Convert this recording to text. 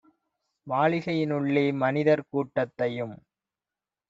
மாளிகையி னுள்ளே மனிதர் கூட்டத்தையும்